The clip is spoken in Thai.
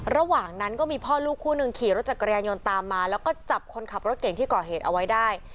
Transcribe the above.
ระหว่างนั้นก็มีพ่อลูกคู่หนึ่งขี่รถจักรยานยนต์ตามมาแล้วก็จับคนขับรถเก่งที่ก่อเหตุเอาไว้ได้